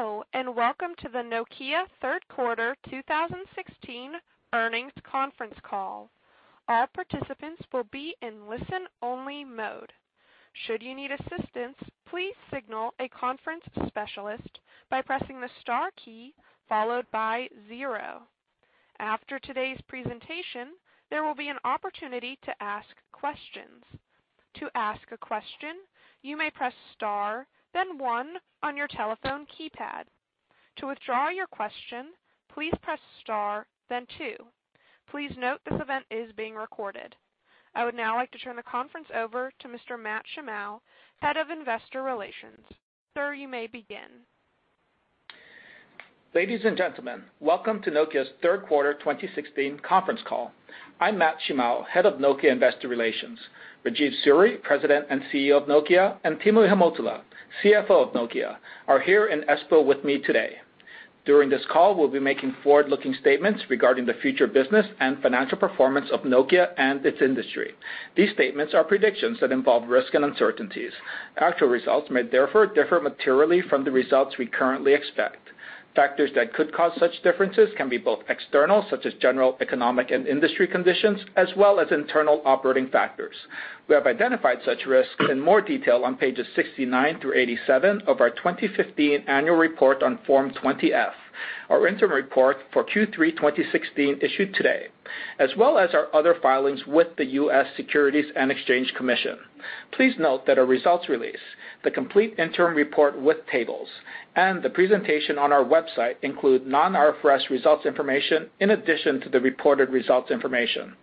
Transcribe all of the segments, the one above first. Hello, welcome to the Nokia third quarter 2016 earnings conference call. All participants will be in listen-only mode. Should you need assistance, please signal a conference specialist by pressing the star key followed by zero. After today's presentation, there will be an opportunity to ask questions. To ask a question, you may press star, then one on your telephone keypad. To withdraw your question, please press star, then two. Please note this event is being recorded. I would now like to turn the conference over to Mr. Matt Shimao, Head of Investor Relations. Sir, you may begin. Ladies and gentlemen, welcome to Nokia's third quarter 2016 conference call. I'm Matt Shimao, Head of Nokia Investor Relations. Rajeev Suri, President and CEO of Nokia, and Timo Ihamuotila, CFO of Nokia, are here in Espoo with me today. During this call, we'll be making forward-looking statements regarding the future business and financial performance of Nokia and its industry. These statements are predictions that involve risks and uncertainties. Actual results may therefore differ materially from the results we currently expect. Factors that could cause such differences can be both external, such as general economic and industry conditions, as well as internal operating factors. We have identified such risks in more detail on pages 69 through 87 of our 2015 annual report on Form 20-F, our interim report for Q3 2016 issued today, as well as our other filings with the U.S. Securities and Exchange Commission. Please note that our results release, the complete interim report with tables, and the presentation on our website include non-IFRS results information in addition to the reported results information.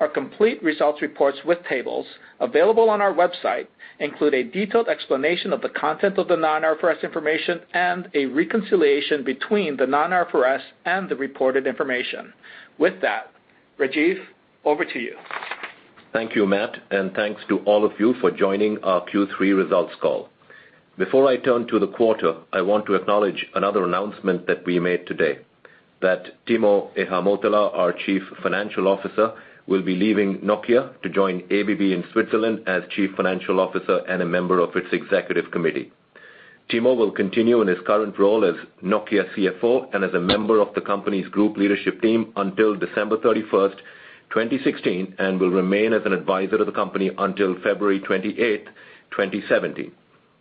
Our complete results reports with tables available on our website include a detailed explanation of the content of the non-IFRS information and a reconciliation between the non-IFRS and the reported information. With that, Rajeev, over to you. Thank you, Matt, and thanks to all of you for joining our Q3 results call. Before I turn to the quarter, I want to acknowledge another announcement that we made today that Timo Ihamuotila, our Chief Financial Officer, will be leaving Nokia to join ABB in Switzerland as Chief Financial Officer and a member of its executive committee. Timo will continue in his current role as Nokia CFO and as a member of the company's group leadership team until December 31st, 2016, and will remain as an advisor to the company until February 28th, 2017.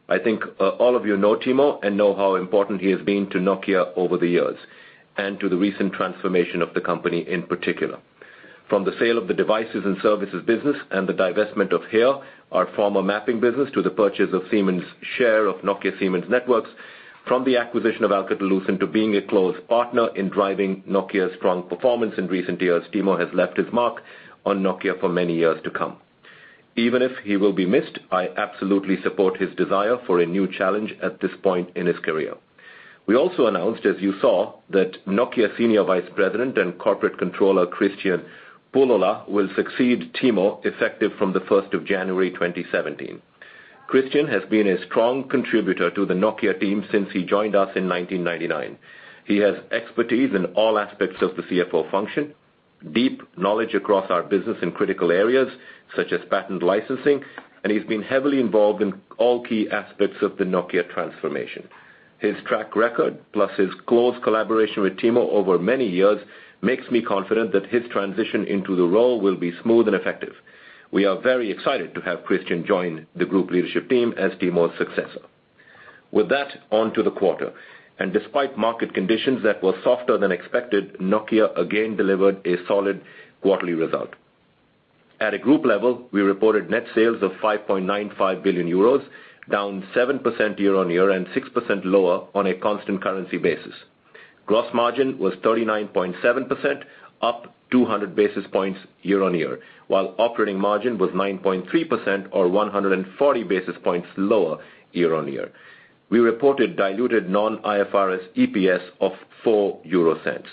I think all of you know Timo and know how important he has been to Nokia over the years and to the recent transformation of the company, in particular. From the sale of the devices and services business and the divestment of HERE, our former mapping business, to the purchase of Siemens' share of Nokia Siemens Networks, from the acquisition of Alcatel-Lucent to being a close partner in driving Nokia's strong performance in recent years, Timo has left his mark on Nokia for many years to come. Even if he will be missed, I absolutely support his desire for a new challenge at this point in his career. We also announced, as you saw, that Nokia Senior Vice President and Corporate Controller Kristian Pullola will succeed Timo effective from the 1st of January 2017. Kristian has been a strong contributor to the Nokia team since he joined us in 1999. He has expertise in all aspects of the CFO function, deep knowledge across our business in critical areas such as patent licensing, and he's been heavily involved in all key aspects of the Nokia transformation. His track record, plus his close collaboration with Timo over many years, makes me confident that his transition into the role will be smooth and effective. We are very excited to have Kristian join the group leadership team as Timo's successor. With that, on to the quarter. Despite market conditions that were softer than expected, Nokia again delivered a solid quarterly result. At a group level, we reported net sales of 5.95 billion euros, down 7% year-over-year and 6% lower on a constant currency basis. Gross margin was 39.7%, up 200 basis points year-over-year, while operating margin was 9.3% or 140 basis points lower year-over-year. We reported diluted non-IFRS EPS of 0.04.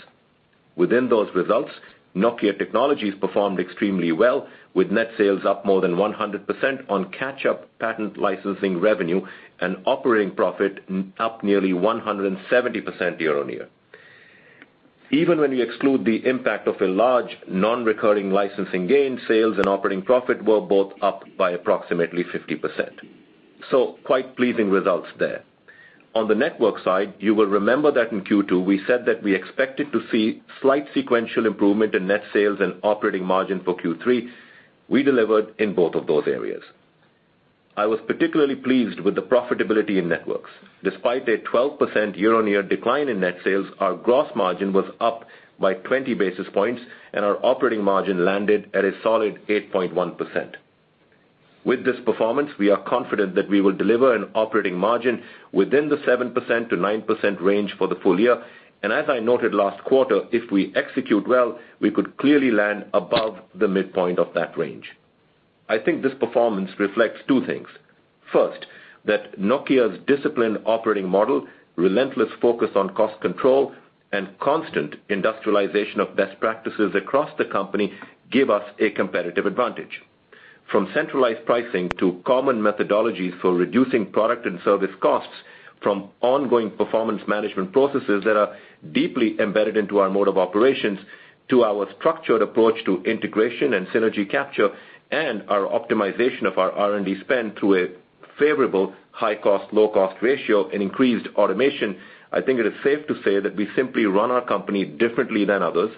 Within those results, Nokia Technologies performed extremely well, with net sales up more than 100% on catch-up patent licensing revenue and operating profit up nearly 170% year-over-year. Even when you exclude the impact of a large non-recurring licensing gain, sales and operating profit were both up by approximately 50%. Quite pleasing results there. On the network side, you will remember that in Q2 we said that we expected to see slight sequential improvement in net sales and operating margin for Q3. We delivered in both of those areas. I was particularly pleased with the profitability in networks. Despite a 12% year-over-year decline in net sales, our gross margin was up by 20 basis points, and our operating margin landed at a solid 8.1%. With this performance, we are confident that we will deliver an operating margin within the 7%-9% range for the full year. As I noted last quarter, if we execute well, we could clearly land above the midpoint of that range. I think this performance reflects two things. First, that Nokia's disciplined operating model, relentless focus on cost control, and constant industrialization of best practices across the company give us a competitive advantage. From centralized pricing to common methodologies for reducing product and service costs from ongoing performance management processes that are deeply embedded into our mode of operations To our structured approach to integration and synergy capture and our optimization of our R&D spend through a favorable high cost, low cost ratio and increased automation, I think it is safe to say that we simply run our company differently than others,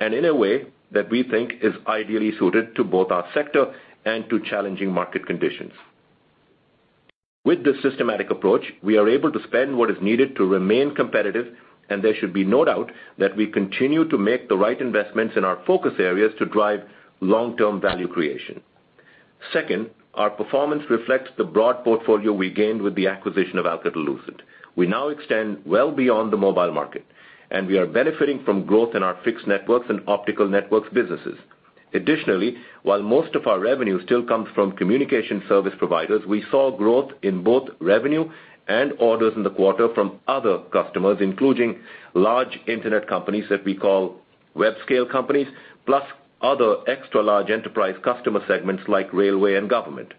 and in a way that we think is ideally suited to both our sector and to challenging market conditions. With this systematic approach, we are able to spend what is needed to remain competitive, and there should be no doubt that we continue to make the right investments in our focus areas to drive long-term value creation. Second, our performance reflects the broad portfolio we gained with the acquisition of Alcatel-Lucent. We now extend well beyond the mobile market, and we are benefiting from growth in our fixed networks and optical networks businesses. Additionally, while most of our revenue still comes from communication service providers, we saw growth in both revenue and orders in the quarter from other customers, including large internet companies that we call web scale companies, plus other extra large enterprise customer segments like railway and government.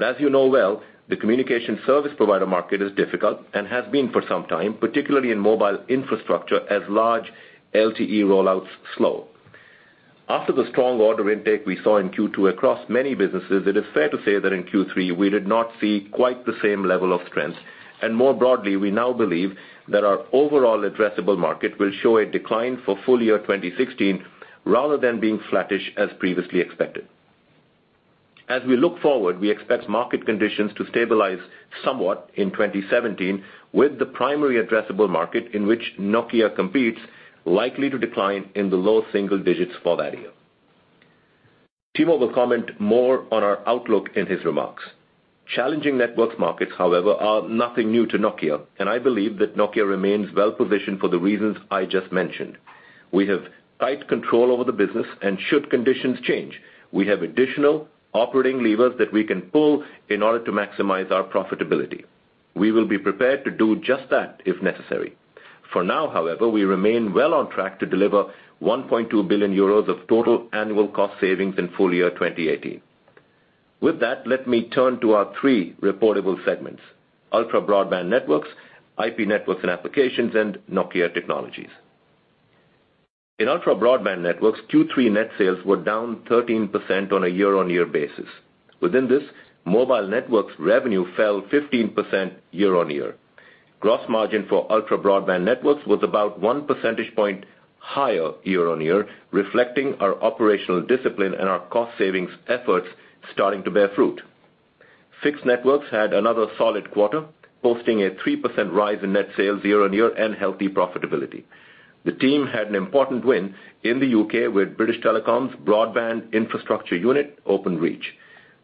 As you know well, the communication service provider market is difficult and has been for some time, particularly in mobile infrastructure as large LTE rollouts slow. After the strong order intake we saw in Q2 across many businesses, it is fair to say that in Q3 we did not see quite the same level of trends. More broadly, we now believe that our overall addressable market will show a decline for full year 2016 rather than being flattish as previously expected. As we look forward, we expect market conditions to stabilize somewhat in 2017 with the primary addressable market in which Nokia competes likely to decline in the low single digits for that year. Timo will comment more on our outlook in his remarks. Challenging networks markets, however, are nothing new to Nokia, and I believe that Nokia remains well positioned for the reasons I just mentioned. We have tight control over the business, and should conditions change, we have additional operating levers that we can pull in order to maximize our profitability. We will be prepared to do just that if necessary. For now, however, we remain well on track to deliver 1.2 billion euros of total annual cost savings in full year 2018. With that, let me turn to our three reportable segments, Ultra Broadband Networks, IP Networks and Applications, and Nokia Technologies. In Ultra Broadband Networks, Q3 net sales were down 13% on a year-on-year basis. Within this, mobile networks revenue fell 15% year-on-year. Gross margin for Ultra Broadband Networks was about one percentage point higher year-on-year, reflecting our operational discipline and our cost savings efforts starting to bear fruit. Fixed networks had another solid quarter, posting a 3% rise in net sales year-on-year and healthy profitability. The team had an important win in the U.K. with British Telecom's broadband infrastructure unit, Openreach.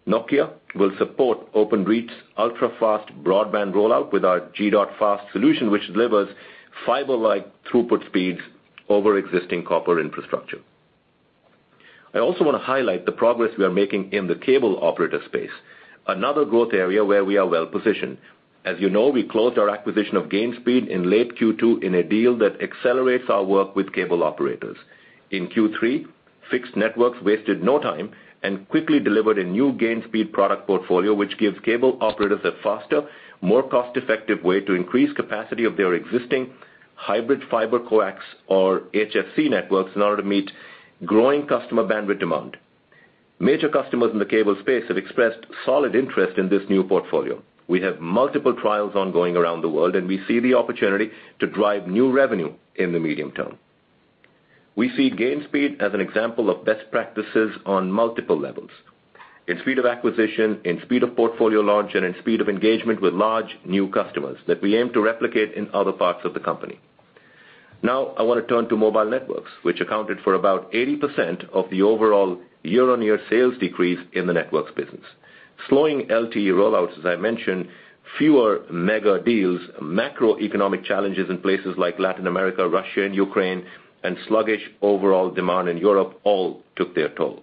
Nokia will support Openreach's ultra-fast broadband rollout with our G.fast solution, which delivers fiber-like throughput speeds over existing copper infrastructure. I also want to highlight the progress we are making in the cable operator space, another growth area where we are well positioned. As you know, we closed our acquisition of Gainspeed in late Q2 in a deal that accelerates our work with cable operators. In Q3, fixed networks wasted no time and quickly delivered a new Gainspeed product portfolio, which gives cable operators a faster, more cost-effective way to increase capacity of their existing hybrid fiber coax or HFC networks in order to meet growing customer bandwidth demand. Major customers in the cable space have expressed solid interest in this new portfolio. We have multiple trials ongoing around the world, and we see the opportunity to drive new revenue in the medium term. We see Gainspeed as an example of best practices on multiple levels. In speed of acquisition, in speed of portfolio launch, and in speed of engagement with large new customers that we aim to replicate in other parts of the company. I want to turn to mobile networks, which accounted for about 80% of the overall year-on-year sales decrease in the networks business. Slowing LTE rollouts, as I mentioned, fewer mega deals, macroeconomic challenges in places like Latin America, Russia and Ukraine, and sluggish overall demand in Europe all took their toll.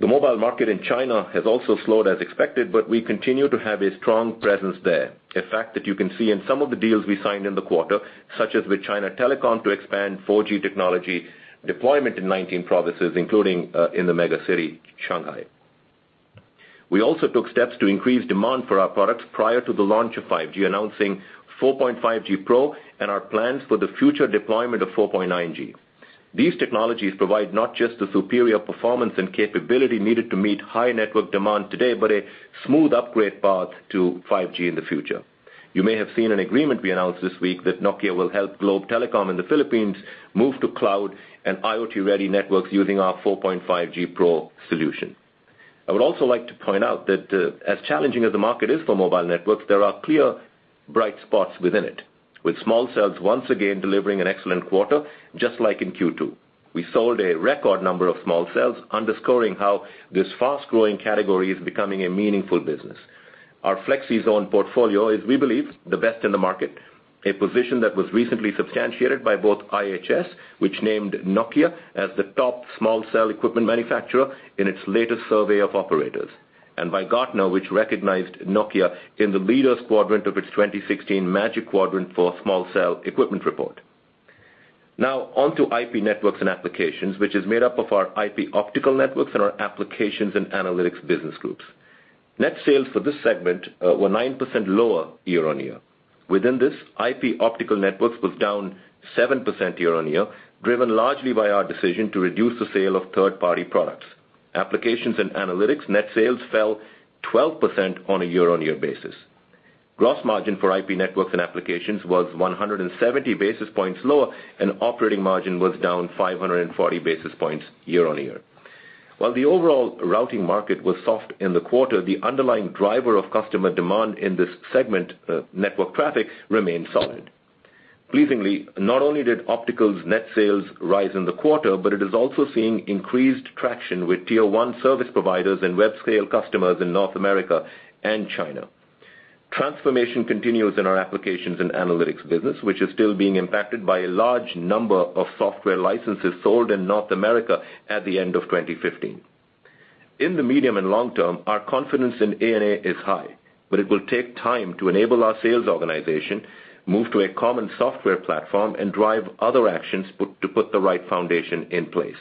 The mobile market in China has also slowed as expected, but we continue to have a strong presence there. A fact that you can see in some of the deals we signed in the quarter, such as with China Telecom to expand 4G technology deployment in 19 provinces, including in the mega city, Shanghai. We also took steps to increase demand for our products prior to the launch of 5G, announcing 4.5G Pro and our plans for the future deployment of 4.9G. These technologies provide not just the superior performance and capability needed to meet high network demand today, but a smooth upgrade path to 5G in the future. You may have seen an agreement we announced this week that Nokia will help Globe Telecom in the Philippines move to cloud and IoT-ready networks using our 4.5G Pro solution. I would also like to point out that as challenging as the market is for mobile networks, there are clear bright spots within it. With small cells once again delivering an excellent quarter, just like in Q2. We sold a record number of small cells underscoring how this fast-growing category is becoming a meaningful business. Our Flexi Zone portfolio is, we believe, the best in the market, a position that was recently substantiated by both IHS, which named Nokia as the top small cell equipment manufacturer in its latest survey of operators. And by Gartner, which recognized Nokia in the leaders quadrant of its 2016 Magic Quadrant for small cell equipment report. On to IP Networks and Applications, which is made up of our IP optical networks and our applications and analytics business groups. Net sales for this segment were 9% lower year-on-year. Within this, IP optical networks was down 7% year-on-year, driven largely by our decision to reduce the sale of third-party products. Applications and analytics net sales fell 12% on a year-on-year basis. Gross margin for IP Networks and Applications was 170 basis points lower, and operating margin was down 540 basis points year-on-year. While the overall routing market was soft in the quarter, the underlying driver of customer demand in this segment, network traffic, remained solid. Pleasingly, not only did optical's net sales rise in the quarter, but it is also seeing increased traction with tier 1 service providers and Web Scale customers in North America and China. Transformation continues in our applications and analytics business, which is still being impacted by a large number of software licenses sold in North America at the end of 2015. In the medium and long term, our confidence in A&A is high, but it will take time to enable our sales organization, move to a common software platform, and drive other actions to put the right foundation in place.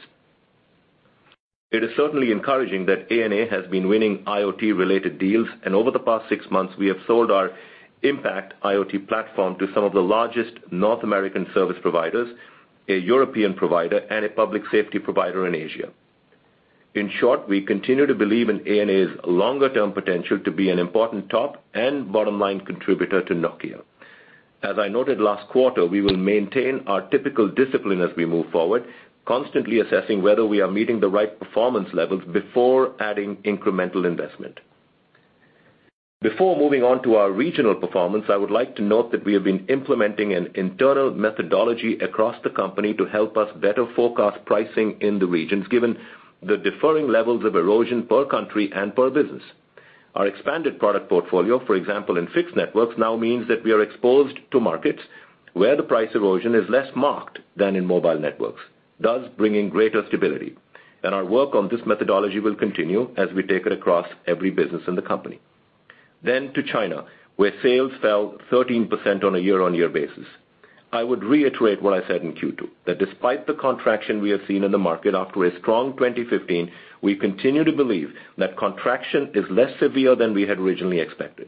It is certainly encouraging that A&A has been winning IoT related deals. Over the past six months we have sold our IMPACT IoT platform to some of the largest North American service providers, a European provider, and a public safety provider in Asia. In short, we continue to believe in A&A's longer term potential to be an important top and bottom line contributor to Nokia. As I noted last quarter, we will maintain our typical discipline as we move forward, constantly assessing whether we are meeting the right performance levels before adding incremental investment. Before moving on to our regional performance, I would like to note that we have been implementing an internal methodology across the company to help us better forecast pricing in the regions, given the differing levels of erosion per country and per business. Our expanded product portfolio, for example, in fixed networks now means that we are exposed to markets where the price erosion is less marked than in mobile networks, thus bringing greater stability. Our work on this methodology will continue as we take it across every business in the company. To China, where sales fell 13% on a year-on-year basis. I would reiterate what I said in Q2, that despite the contraction we have seen in the market after a strong 2015, we continue to believe that contraction is less severe than we had originally expected.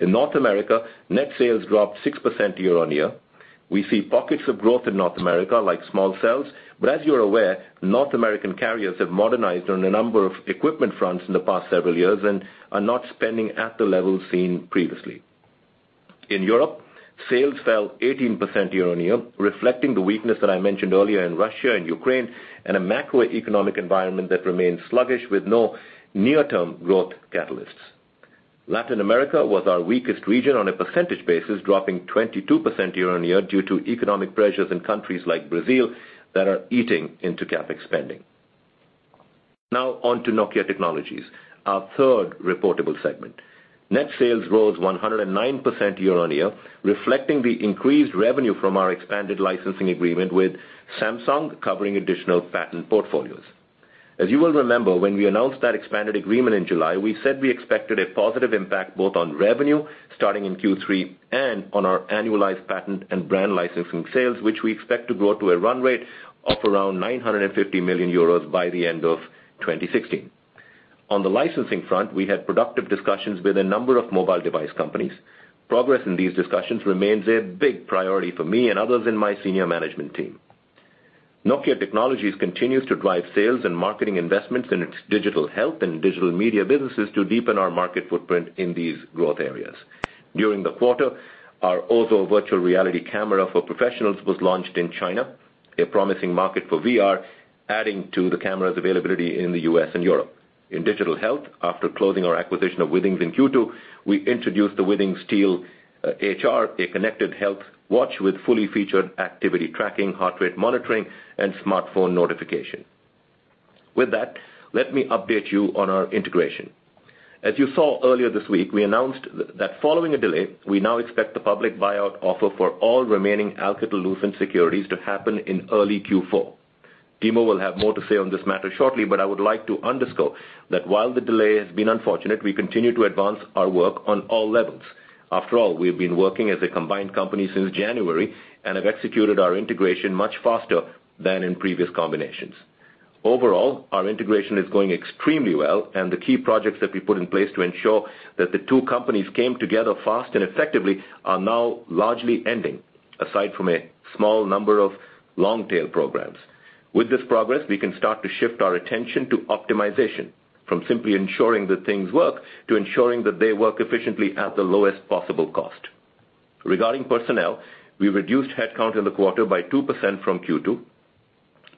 In North America, net sales dropped 6% year-on-year. We see pockets of growth in North America, like small cells. As you're aware, North American carriers have modernized on a number of equipment fronts in the past several years and are not spending at the levels seen previously. In Europe, sales fell 18% year-on-year, reflecting the weakness that I mentioned earlier in Russia and Ukraine and a macroeconomic environment that remains sluggish with no near term growth catalysts. Latin America was our weakest region on a percentage basis, dropping 22% year-on-year due to economic pressures in countries like Brazil that are eating into CapEx spending. On to Nokia Technologies, our third reportable segment. Net sales rose 109% year-on-year, reflecting the increased revenue from our expanded licensing agreement with Samsung covering additional patent portfolios. As you will remember, when we announced that expanded agreement in July, we said we expected a positive impact both on revenue starting in Q3 and on our annualized patent and brand licensing sales, which we expect to grow to a run rate of around 950 million euros by the end of 2016. On the licensing front, we had productive discussions with a number of mobile device companies. Progress in these discussions remains a big priority for me and others in my senior management team. Nokia Technologies continues to drive sales and marketing investments in its digital health and digital media businesses to deepen our market footprint in these growth areas. During the quarter, our OZO virtual reality camera for professionals was launched in China, a promising market for VR, adding to the camera's availability in the U.S. and Europe. In digital health, after closing our acquisition of Withings in Q2, we introduced the Withings Steel HR, a connected health watch with fully featured activity tracking, heart rate monitoring, and smartphone notification. With that, let me update you on our integration. As you saw earlier this week, we announced that following a delay, we now expect the public buyout offer for all remaining Alcatel-Lucent securities to happen in early Q4. Timo will have more to say on this matter shortly, but I would like to underscore that while the delay has been unfortunate, we continue to advance our work on all levels. After all, we have been working as a combined company since January and have executed our integration much faster than in previous combinations. Overall, our integration is going extremely well, and the key projects that we put in place to ensure that the two companies came together fast and effectively are now largely ending, aside from a small number of long tail programs. With this progress, we can start to shift our attention to optimization, from simply ensuring that things work, to ensuring that they work efficiently at the lowest possible cost. Regarding personnel, we reduced headcount in the quarter by 2% from Q2.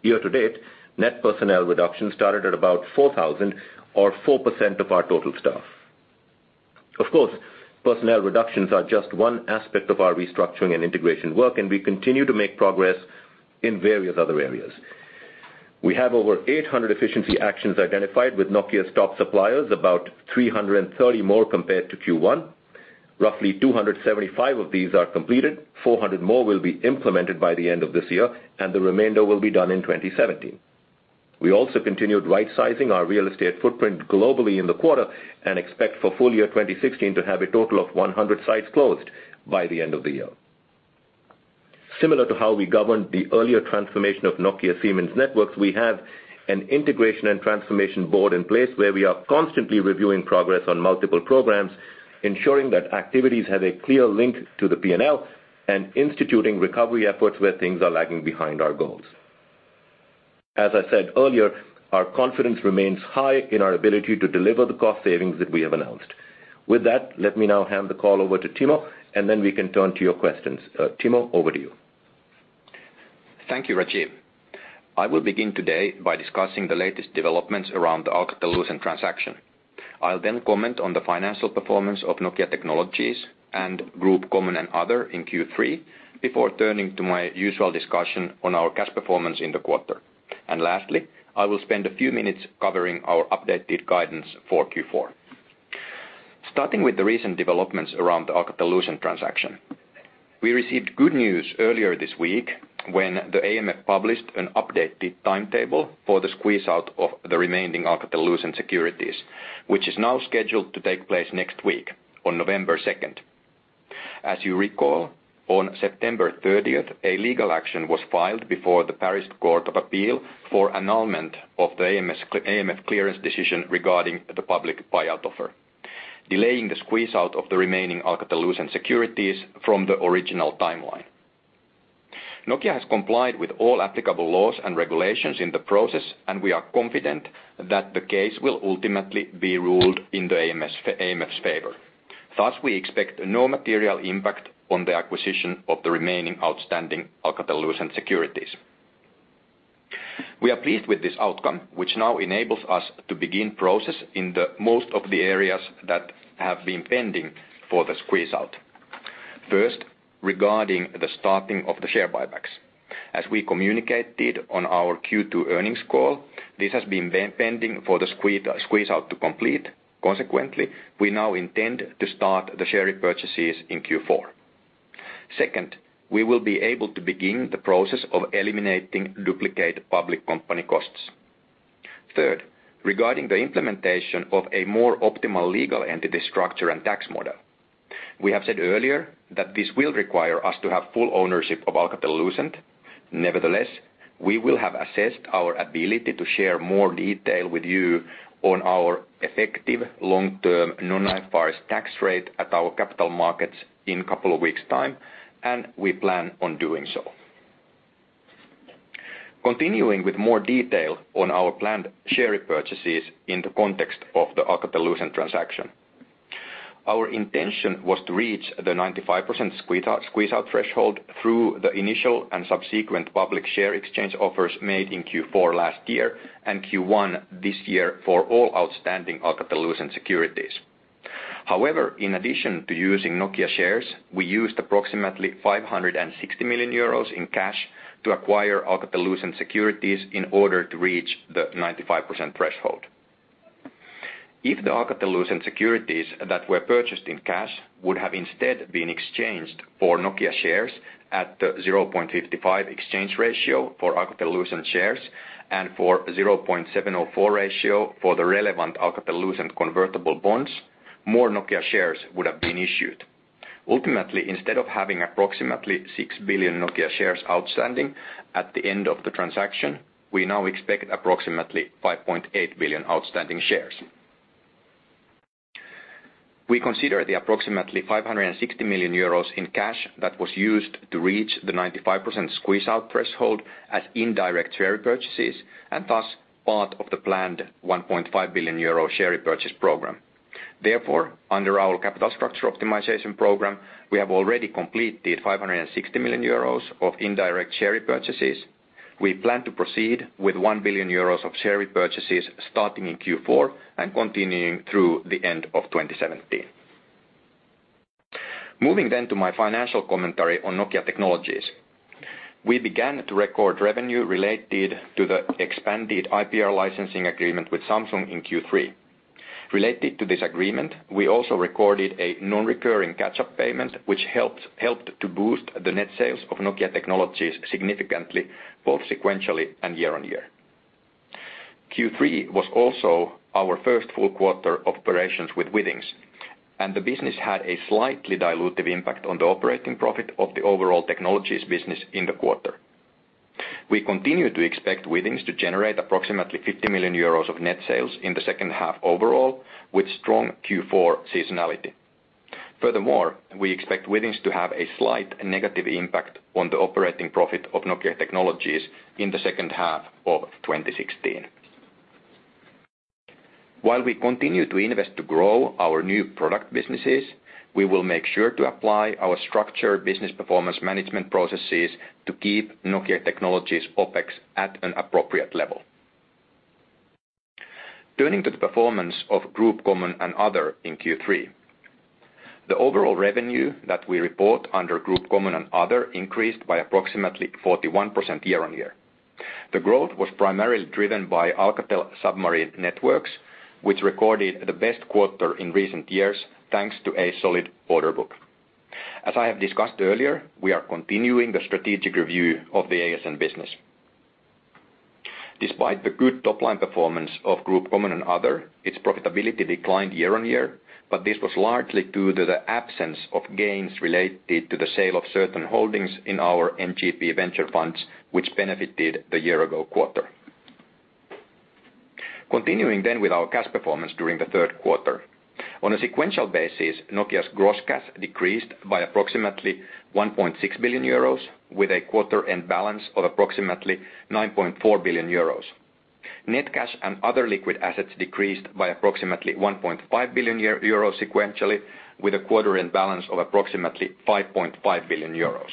Year to date, net personnel reduction started at about 4,000 or 4% of our total staff. Personnel reductions are just one aspect of our restructuring and integration work, and we continue to make progress in various other areas. We have over 800 efficiency actions identified with Nokia's top suppliers, about 330 more compared to Q1. Roughly 275 of these are completed, 400 more will be implemented by the end of this year, and the remainder will be done in 2017. We also continued rightsizing our real estate footprint globally in the quarter and expect for full year 2016 to have a total of 100 sites closed by the end of the year. Similar to how we governed the earlier transformation of Nokia Siemens Networks, we have an integration and transformation board in place where we are constantly reviewing progress on multiple programs, ensuring that activities have a clear link to the P&L and instituting recovery efforts where things are lagging behind our goals. As I said earlier, our confidence remains high in our ability to deliver the cost savings that we have announced. With that, let me now hand the call over to Timo, then we can turn to your questions. Timo, over to you. Thank you, Rajeev. I will begin today by discussing the latest developments around the Alcatel-Lucent transaction. I'll then comment on the financial performance of Nokia Technologies and Group Common and Other in Q3 before turning to my usual discussion on our cash performance in the quarter. Lastly, I will spend a few minutes covering our updated guidance for Q4. Starting with the recent developments around the Alcatel-Lucent transaction. We received good news earlier this week when the AMF published an updated timetable for the squeeze out of the remaining Alcatel-Lucent securities, which is now scheduled to take place next week on November 2nd. As you recall, on September 30th, a legal action was filed before the Paris Court of Appeal for annulment of the AMF clearance decision regarding the public buyout offer, delaying the squeeze out of the remaining Alcatel-Lucent securities from the original timeline. Nokia has complied with all applicable laws and regulations in the process, and we are confident that the case will ultimately be ruled in AMF's favor. Thus, we expect no material impact on the acquisition of the remaining outstanding Alcatel-Lucent securities. We are pleased with this outcome, which now enables us to begin process in most of the areas that have been pending for the squeeze out. First, regarding the starting of the share buybacks. As we communicated on our Q2 earnings call, this has been pending for the squeeze out to complete. Consequently, we now intend to start the share repurchases in Q4. Second, we will be able to begin the process of eliminating duplicate public company costs. Third, regarding the implementation of a more optimal legal entity structure and tax model. We have said earlier that this will require us to have full ownership of Alcatel-Lucent. Nevertheless, we will have assessed our ability to share more detail with you on our effective long-term non-IFRS tax rate at our Capital Markets Day in a couple of weeks' time, and we plan on doing so. Continuing with more detail on our planned share repurchases in the context of the Alcatel-Lucent transaction. Our intention was to reach the 95% squeeze out threshold through the initial and subsequent public share exchange offers made in Q4 last year and Q1 this year for all outstanding Alcatel-Lucent securities. However, in addition to using Nokia shares, we used approximately 560 million euros in cash to acquire Alcatel-Lucent securities in order to reach the 95% threshold. If the Alcatel-Lucent securities that were purchased in cash would have instead been exchanged for Nokia shares at the 0.55 exchange ratio for Alcatel-Lucent shares and for 0.704 ratio for the relevant Alcatel-Lucent convertible bonds, more Nokia shares would have been issued. Instead of having approximately 6 billion Nokia shares outstanding at the end of the transaction, we now expect approximately 5.8 billion outstanding shares. We consider the approximately 560 million euros in cash that was used to reach the 95% squeeze out threshold as indirect share repurchases, and thus part of the planned 1.5 billion euro share repurchase program. Therefore, under our capital structure optimization program, we have already completed 560 million euros of indirect share repurchases. We plan to proceed with 1 billion euros of share repurchases starting in Q4 and continuing through the end of 2017. Moving to my financial commentary on Nokia Technologies. We began to record revenue related to the expanded IPR licensing agreement with Samsung in Q3. Related to this agreement, we also recorded a non-recurring catch-up payment, which helped to boost the net sales of Nokia Technologies significantly, both sequentially and year-on-year. Q3 was also our first full quarter of operations with Withings, and the business had a slightly dilutive impact on the operating profit of the overall Technologies business in the quarter. We continue to expect Withings to generate approximately 50 million euros of net sales in the second half overall, with strong Q4 seasonality. Furthermore, we expect Withings to have a slight negative impact on the operating profit of Nokia Technologies in the second half of 2016. While we continue to invest to grow our new product businesses, we will make sure to apply our structured business performance management processes to keep Nokia Technologies' OpEx at an appropriate level. Turning to the performance of Group Common and Other in Q3. The overall revenue that we report under Group Common and Other increased by approximately 41% year-on-year. The growth was primarily driven by Alcatel Submarine Networks, which recorded the best quarter in recent years, thanks to a solid order book. As I have discussed earlier, we are continuing the strategic review of the ASN business. Despite the good top-line performance of Group Common and Other, its profitability declined year-on-year, this was largely due to the absence of gains related to the sale of certain holdings in our NGP venture funds, which benefited the year ago quarter. Continuing with our cash performance during the third quarter. On a sequential basis, Nokia's gross cash decreased by approximately 1.6 billion euros, with a quarter-end balance of approximately 9.4 billion euros. Net cash and other liquid assets decreased by approximately 1.5 billion euros sequentially, with a quarter-end balance of approximately 5.5 billion euros.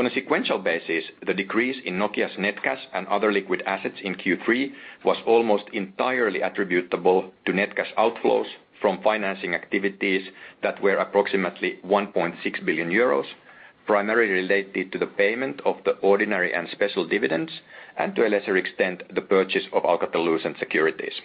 On a sequential basis, the decrease in Nokia's net cash and other liquid assets in Q3 was almost entirely attributable to net cash outflows from financing activities that were approximately 1.6 billion euros, primarily related to the payment of the ordinary and special dividends, and to a lesser extent, the purchase of Alcatel-Lucent securities.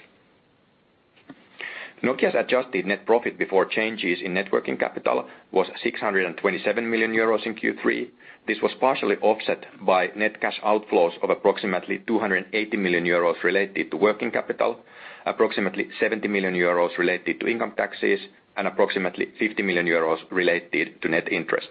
Nokia's adjusted net profit before changes in net working capital was 627 million euros in Q3. This was partially offset by net cash outflows of approximately 280 million euros related to working capital, approximately 70 million euros related to income taxes, and approximately 50 million euros related to net interest.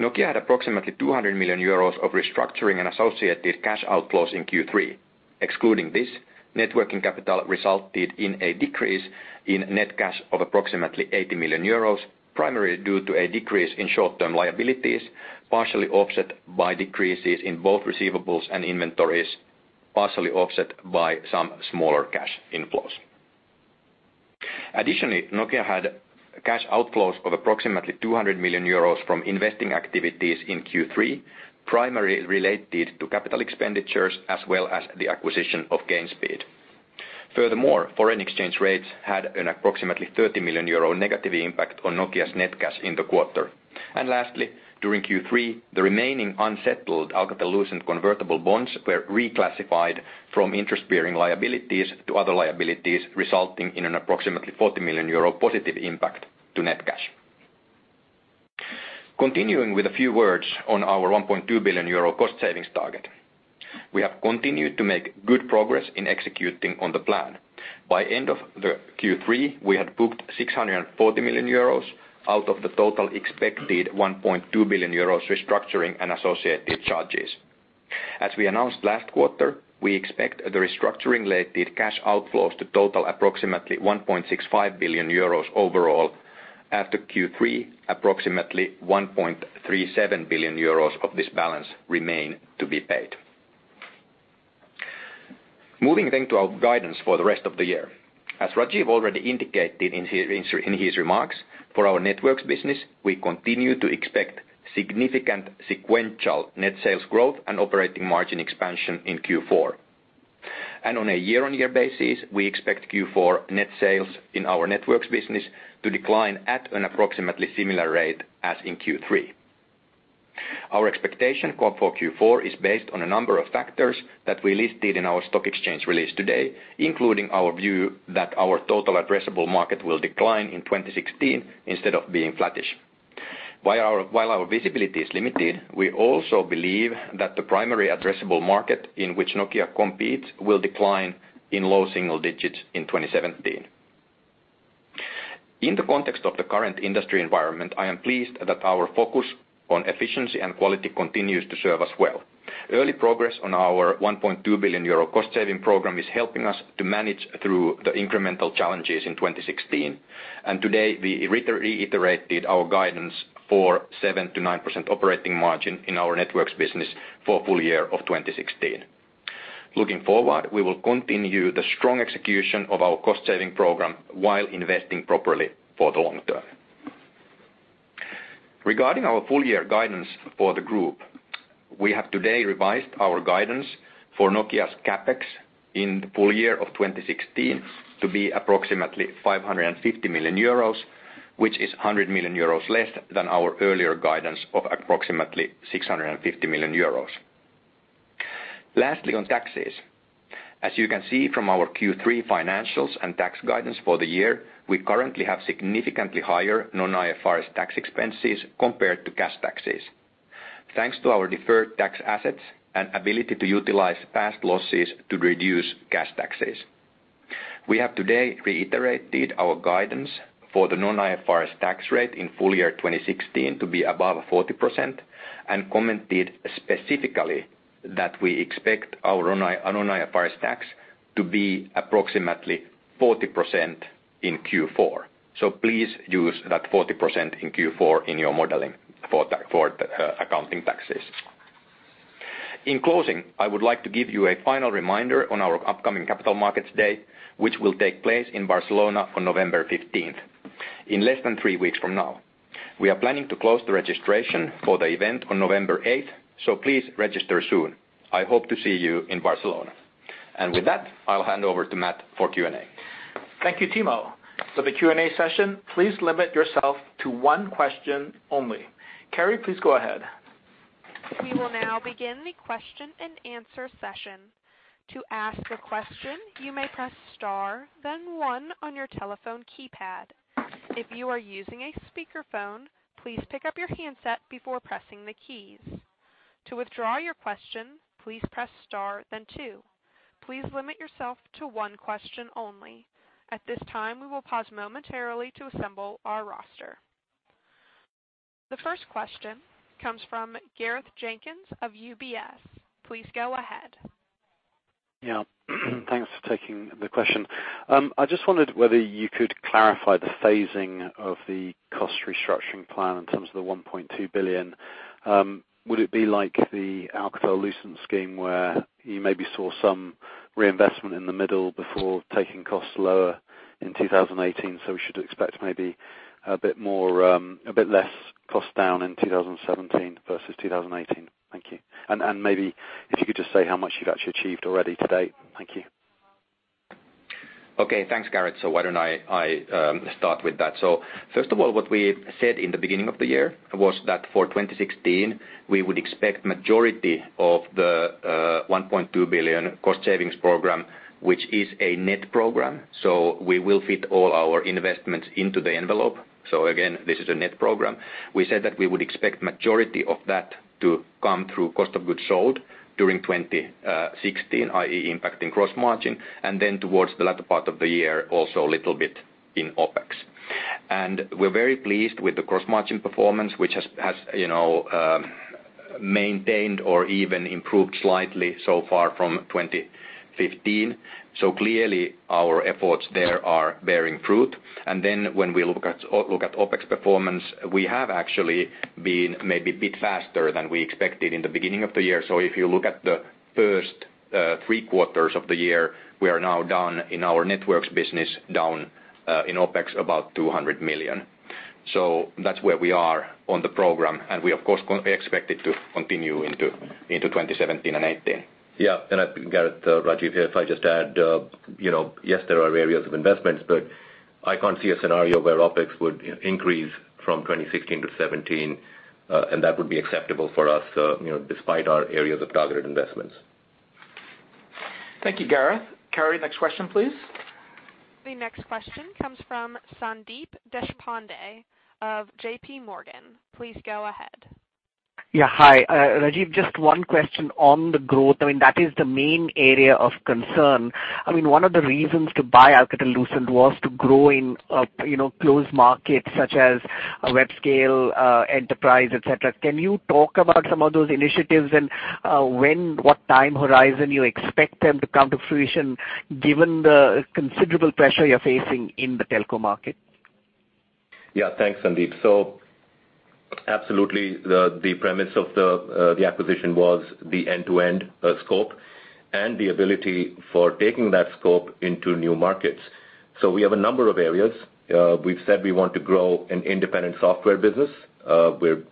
Nokia had approximately 200 million euros of restructuring and associated cash outflows in Q3. Excluding this, net working capital resulted in a decrease in net cash of approximately 80 million euros, primarily due to a decrease in short-term liabilities, partially offset by decreases in both receivables and inventories, partially offset by some smaller cash inflows. Additionally, Nokia had cash outflows of approximately 200 million euros from investing activities in Q3, primarily related to capital expenditures as well as the acquisition of Gainspeed. Furthermore, foreign exchange rates had an approximately 30 million euro negative impact on Nokia's net cash in the quarter. Lastly, during Q3, the remaining unsettled Alcatel-Lucent convertible bonds were reclassified from interest-bearing liabilities to other liabilities, resulting in an approximately 40 million euro positive impact to net cash. Continuing with a few words on our 1.2 billion euro cost savings target. We have continued to make good progress in executing on the plan. By end of the Q3, we had booked 640 million euros out of the total expected 1.2 billion euros restructuring and associated charges. As we announced last quarter, we expect the restructuring-related cash outflows to total approximately 1.65 billion euros overall. After Q3, approximately 1.37 billion euros of this balance remain to be paid. Moving to our guidance for the rest of the year. As Rajeev already indicated in his remarks, for our networks business, we continue to expect significant sequential net sales growth and operating margin expansion in Q4. On a year-on-year basis, we expect Q4 net sales in our networks business to decline at an approximately similar rate as in Q3. Our expectation for Q4 is based on a number of factors that we listed in our stock exchange release today, including our view that our total addressable market will decline in 2016 instead of being flattish. While our visibility is limited, we also believe that the primary addressable market in which Nokia competes will decline in low single digits in 2017. In the context of the current industry environment, I am pleased that our focus on efficiency and quality continues to serve us well. Early progress on our 1.2 billion euro cost-saving program is helping us to manage through the incremental challenges in 2016. Today, we reiterated our guidance for 7%-9% operating margin in our networks business for full year of 2016. Looking forward, we will continue the strong execution of our cost-saving program while investing properly for the long term. Regarding our full year guidance for the group, we have today revised our guidance for Nokia's CapEx in the full year of 2016 to be approximately 550 million euros, which is 100 million euros less than our earlier guidance of approximately 650 million euros. Lastly, on taxes. As you can see from our Q3 financials and tax guidance for the year, we currently have significantly higher non-IFRS tax expenses compared to cash taxes. Thanks to our deferred tax assets and ability to utilize past losses to reduce cash taxes. We have today reiterated our guidance for the non-IFRS tax rate in full year 2016 to be above 40% and commented specifically that we expect our non-IFRS tax to be approximately 40% in Q4. Please use that 40% in Q4 in your modeling for accounting taxes. In closing, I would like to give you a final reminder on our upcoming Capital Markets Day, which will take place in Barcelona on November 15th, in less than three weeks from now. We are planning to close the registration for the event on November 8th, please register soon. I hope to see you in Barcelona. With that, I'll hand over to Matt for Q&A. Thank you, Timo. For the Q&A session, please limit yourself to one question only. Carrie, please go ahead. We will now begin the question and answer session. To ask a question, you may press star then one on your telephone keypad. If you are using a speakerphone, please pick up your handset before pressing the keys. To withdraw your question, please press star then two. Please limit yourself to one question only. At this time, we will pause momentarily to assemble our roster. The first question comes from Gareth Jenkins of UBS. Please go ahead. Yeah. Thanks for taking the question. I just wondered whether you could clarify the phasing of the cost restructuring plan in terms of the 1.2 billion. Would it be like the Alcatel-Lucent scheme where you maybe saw some reinvestment in the middle before taking costs lower in 2018, so we should expect maybe a bit less cost down in 2017 versus 2018? Thank you. Maybe if you could just say how much you've actually achieved already to date. Thank you. Okay. Thanks, Gareth. Why don't I start with that? First of all, what we said in the beginning of the year was that for 2016, we would expect majority of the 1.2 billion cost savings program, which is a net program, we will fit all our investments into the envelope. Again, this is a net program. We said that we would expect majority of that to come through cost of goods sold during 2016, i.e., impacting gross margin, and then towards the latter part of the year, also a little bit in OpEx. We're very pleased with the gross margin performance, which has maintained or even improved slightly so far from 2015. Clearly, our efforts there are bearing fruit. Then when we look at OpEx performance, we have actually been maybe a bit faster than we expected in the beginning of the year. If you look at the first three quarters of the year, we are now down in our networks business, down in OpEx about 200 million. That's where we are on the program, and we of course expect it to continue into 2017 and 2018. Yeah. Gareth, Rajeev here. If I just add, yes, there are areas of investments, but I can't see a scenario where OpEx would increase from 2016 to 2017, and that would be acceptable for us, despite our areas of targeted investments. Thank you, Gareth. Carrie, next question, please. The next question comes from Sandeep Deshpande of JP Morgan. Please go ahead. Yeah. Hi. Rajeev, just one question on the growth. I mean, that is the main area of concern. I mean, one of the reasons to buy Alcatel-Lucent was to grow in closed markets such as web-scale, enterprise, et cetera. Can you talk about some of those initiatives and what time horizon you expect them to come to fruition given the considerable pressure you're facing in the telco market? Yeah. Thanks, Sandeep. Absolutely, the premise of the acquisition was the end-to-end scope and the ability for taking that scope into new markets. We have a number of areas. We've said we want to grow an independent software business. We're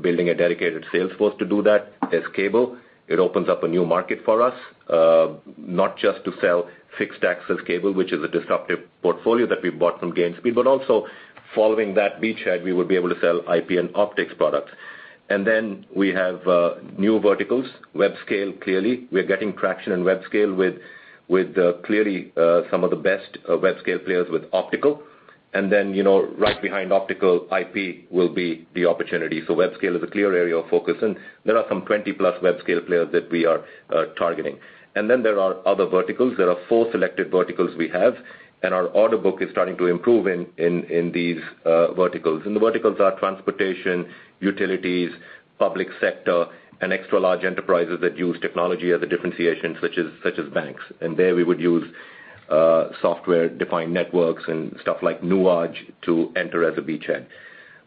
building a dedicated sales force to do that. There's cable. It opens up a new market for us, not just to sell fixed access cable, which is a disruptive portfolio that we bought from Gainspeed, but also following that beachhead, we will be able to sell IP and optics products. We have new verticals, Web Scale, clearly. We're getting traction in Web Scale with clearly some of the best Web Scale players with optical. Right behind optical, IP will be the opportunity. Web Scale is a clear area of focus, and there are some 20-plus Web Scale players that we are targeting. There are other verticals. There are four selected verticals we have, and our order book is starting to improve in these verticals. The verticals are transportation, utilities, public sector, and extra large enterprises that use technology as a differentiation, such as banks. There we would use software-defined networks and stuff like Nuage to enter as a beachhead.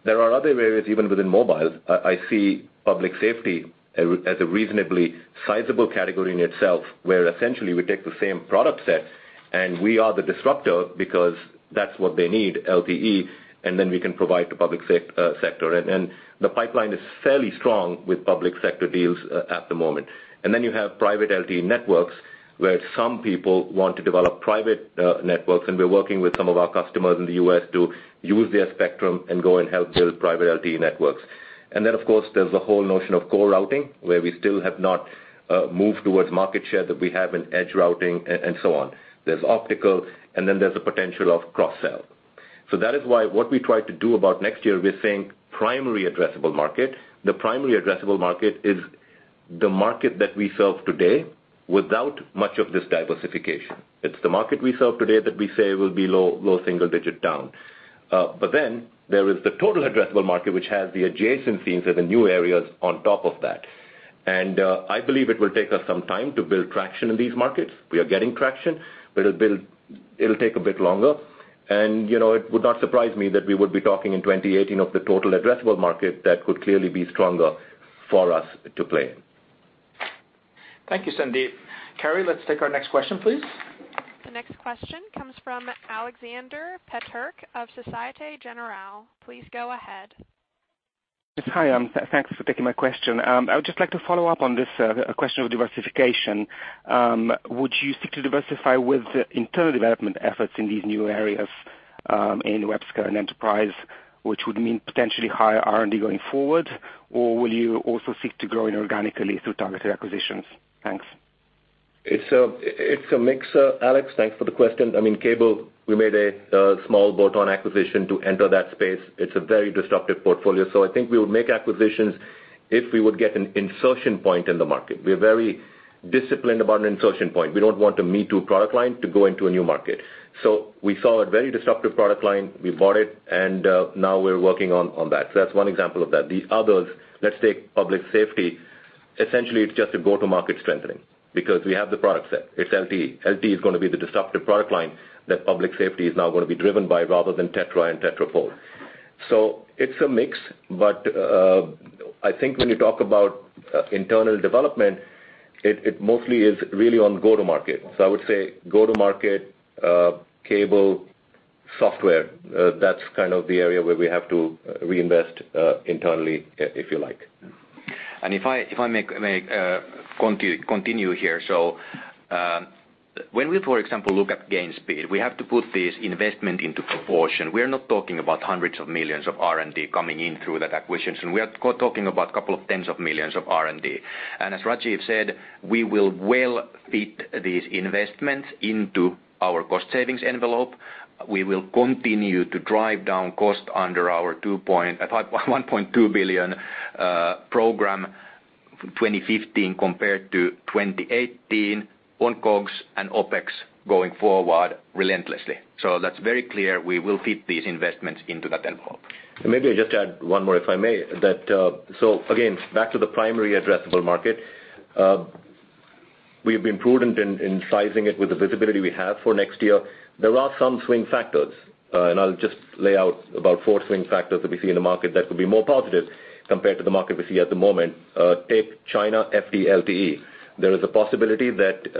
There are other areas, even within mobile. I see public safety as a reasonably sizable category in itself, where essentially we take the same product set and we are the disruptor because that's what they need, LTE, and we can provide to public sector. The pipeline is fairly strong with public sector deals at the moment. You have private LTE networks, where some people want to develop private networks, and we're working with some of our customers in the U.S. to use their spectrum and go and help build private LTE networks. Of course, there's the whole notion of core routing, where we still have not moved towards market share that we have in edge routing and so on. There's optical, and there's the potential of cross-sell. That is why what we try to do about next year, we're saying primary addressable market. The primary addressable market is the market that we serve today without much of this diversification. It's the market we serve today that we say will be low single-digit down. There is the total addressable market, which has the adjacencies or the new areas on top of that. I believe it will take us some time to build traction in these markets. We are getting traction, but it'll take a bit longer. It would not surprise me that we would be talking in 2018 of the total addressable market that could clearly be stronger for us to play in. Thank you, Sandeep. Carrie, let's take our next question, please. The next question comes from Aleksander Peterc of Societe Generale. Please go ahead. Yes. Hi. Thanks for taking my question. I would just like to follow up on this question of diversification. Would you seek to diversify with internal development efforts in these new areas? In Web Scale and Enterprise, which would mean potentially higher R&D going forward, or will you also seek to grow inorganically through targeted acquisitions? Thanks. It's a mix, Alex, thanks for the question. Cable, we made a small bolt-on acquisition to enter that space. It's a very disruptive portfolio. I think we will make acquisitions if we would get an insertion point in the market. We are very disciplined about an insertion point. We don't want a me-too product line to go into a new market. We saw a very disruptive product line. We bought it, and now we're working on that. That's one example of that. The others, let's take public safety. Essentially, it's just a go-to-market strengthening, because we have the product set. It's LTE. LTE is going to be the disruptive product line that public safety is now going to be driven by rather than TETRA and TETRAPOL. It's a mix, but I think when you talk about internal development, it mostly is really on go-to-market. I would say go-to-market, cable, software, that's kind of the area where we have to reinvest internally, if you like. If I make continue here, so when we, for example, look at Gainspeed, we have to put this investment into proportion. We're not talking about hundreds of millions of R&D coming in through that acquisition. We are talking about a couple of tens of millions of R&D. As Rajeev said, we will well fit these investments into our cost savings envelope. We will continue to drive down cost under our 1.2 billion program 2015 compared to 2018 on COGS and OPEX going forward relentlessly. That's very clear, we will fit these investments into that envelope. Maybe I just add one more, if I may. Again, back to the primary addressable market. We've been prudent in sizing it with the visibility we have for next year. There are some swing factors, and I'll just lay out about four swing factors that we see in the market that could be more positive compared to the market we see at the moment. Take China FD LTE. There is a possibility that